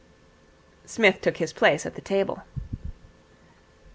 Psmith took his place at the table.